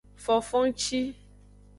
Fofongci.